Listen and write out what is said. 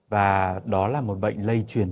và đó là một bệnh lây chuyển